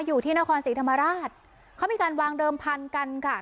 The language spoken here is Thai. อยู่ที่นครศรีธรรมราชเขามีการวางเดิมพันธุ์กันค่ะ